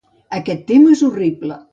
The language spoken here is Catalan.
Aquest tema és horrible.